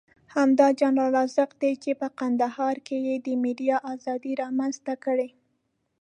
همدا جنرال رازق دی چې په کندهار کې یې د ميډيا ازادي رامنځته کړې.